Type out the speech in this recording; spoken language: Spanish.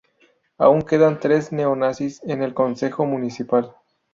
Aún quedan tres neonazis en el concejo municipal.